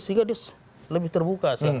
sehingga dia lebih terbuka